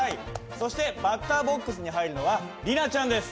そしてバッターボックスに入るのは里奈ちゃんです。